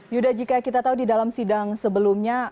yuda jika kita tahu di dalam sidang sebelumnya